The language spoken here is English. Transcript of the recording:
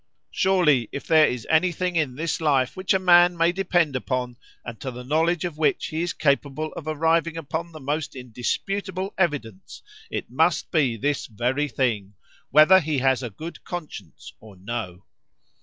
Surely if there is any thing in this life which a man may depend upon, and to the knowledge of which he is capable of arriving upon the most indisputable evidence, it must be this very thing,—whether he has a good conscience or no."